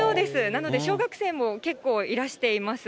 なので、小学生も結構いらしています。